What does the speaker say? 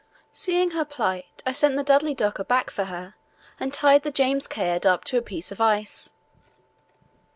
Seeing her plight, I sent the Dudley Docker back for her and tied the James Caird up to a piece of ice.